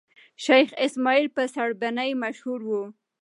شېخ اسماعیل په سړبني مشهور وو.